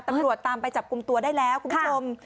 ตำรวจตามไปจับกลุ่มตัวได้แล้วคุณผู้ชม